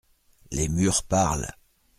Les murs parlent.